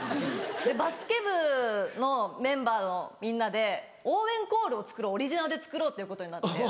バスケ部のメンバーのみんなで応援コールを作ろうオリジナルで作ろうっていうことになって。